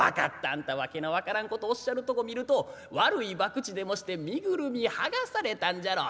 あんた訳の分からんことをおっしゃるとこ見ると悪いばくちでもして身ぐるみ剥がされたんじゃろ。